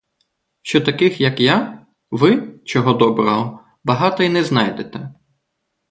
Що таких, як я, ви, чого доброго, багато й не знайдете.